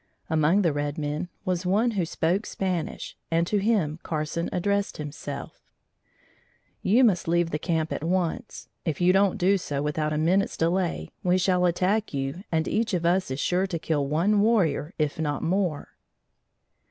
Among the red men was one who spoke Spanish and to him Carson addressed himself: "You must leave the camp at once; if you don't do so without a minute's delay, we shall attack you and each of us is sure to kill one warrior if not more."